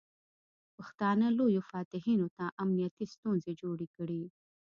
پښتانه لویو فاتحینو ته امنیتي ستونزې جوړې کړې.